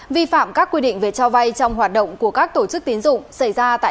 vi phạm các quy định về cho vay trong hoạt động của các tổ chức tín dụng xảy ra tại